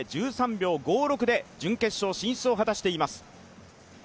１３秒５６で準決勝進出を果たしています。